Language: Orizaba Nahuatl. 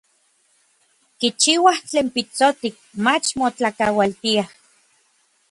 Kichiuaj tlen pitsotik, mach motlakaualtiaj.